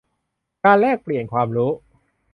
การแลกเปลี่ยนความรู้